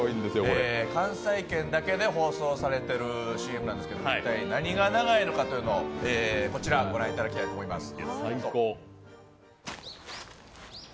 関西圏だけで放送されているＣＭなんですけれども一体何が長いのかというのをご覧いただきたいと思います。